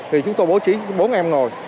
thì chúng tôi bố trí bốn em ngồi